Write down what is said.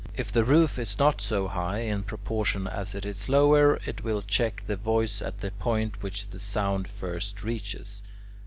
If the roof is not so high, in proportion as it is lower, it will check the voice at the point which the sound first reaches.